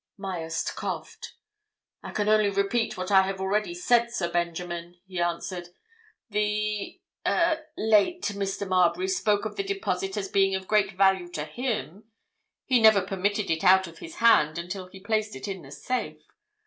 Myerst coughed. "I can only repeat what I have already said, Sir Benjamin," he answered. "The—er late Mr. Marbury spoke of the deposit as being of great value to him; he never permitted it out of his hand until he placed it in the safe.